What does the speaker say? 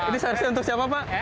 ini seharusnya untuk siapa pak